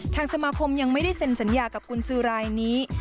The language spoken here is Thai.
ทางสมาคมยังไม่ได้เซ็นสัญญากับกุญสือรายนี้